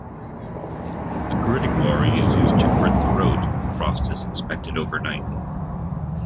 A gritting lorry is used to grit the roads when frost is expected overnight